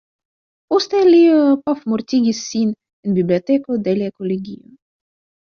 Poste li pafmortigis sin en biblioteko de la kolegio.